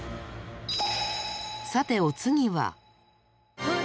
さてお次は。